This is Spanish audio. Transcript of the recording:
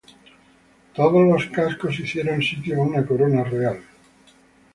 Todos los cascos hicieron sitio a una corona real.